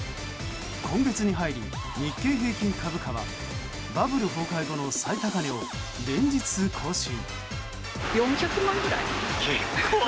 今月に入り、日経平均株価はバブル崩壊後の最高値を連日更新。